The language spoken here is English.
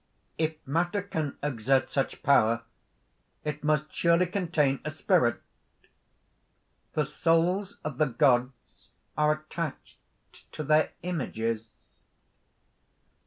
"If matter can exert such power, it must surely contain a spirit. The souls of the Gods are attached to their images